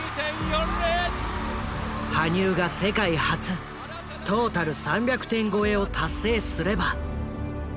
羽生が世界初トータル３００点超えを達成すれば。